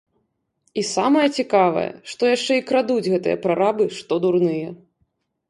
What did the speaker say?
І самае цікавае, што яшчэ і крадуць гэтыя прарабы што дурныя.